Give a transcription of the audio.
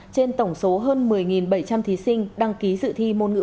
trên tổng số hơn một mươi bảy trăm linh thí sinh đăng ký dự thi môn ngữ